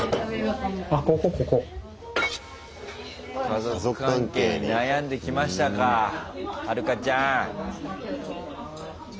家族関係に悩んできましたかはるかちゃん。